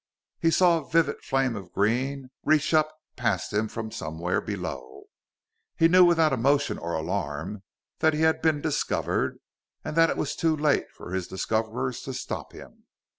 He saw a vivid flame of green reach up past him from somewhere below. He knew, without emotion or alarm, that he had been discovered, and that it was too late for his discoverers to stop him.